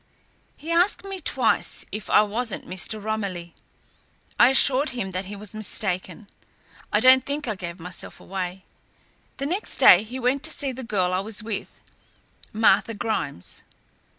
"He asked me twice if I wasn't Mr. Romilly. I assured him that he was mistaken. I don't think I gave myself away. The next day he went to see the girl I was with, Martha Grimes."